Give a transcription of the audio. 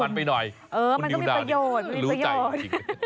มันก็มีประโยชน์